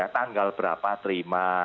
tanggal berapa terima